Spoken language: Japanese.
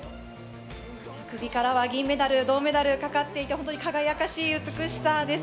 首からは銀メダル、銅メダルがかかっていて、輝かしい美しさです。